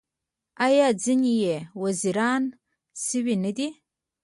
آیا ځینې یې وزیران شوي نه دي؟